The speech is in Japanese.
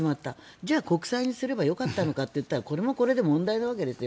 じゃあ国債にすればよかったのかと言ったらこれはこれで問題なんですよ。